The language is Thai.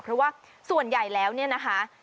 เพราะว่าส่วนใหญ่แล้วเนี่ยนะคะ